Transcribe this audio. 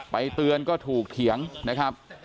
เตือนก็ถูกเถียงนะครับ